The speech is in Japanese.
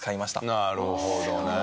なるほどね。